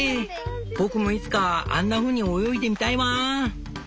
僕もいつかあんなふうに泳いでみたいわぁん」。